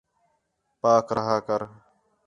پاک رِہا کر